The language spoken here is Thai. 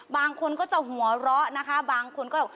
บางคนก็จะหัวเราะนะคะบางคนก็บอก